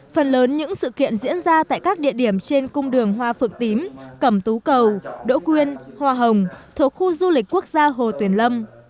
phần lớn những sự kiện diễn ra tại các địa điểm trên cung đường hoa phược tím cẩm tú cầu đỗ quyên hoa hồng thuộc khu du lịch quốc gia hồ tuyền lâm